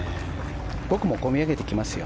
僕も込み上げてきますよ。